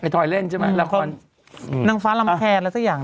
ทอยเล่นใช่ไหมละครนางฟ้าลำแพนอะไรสักอย่าง